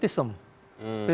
fetisim itu percaya pada rohani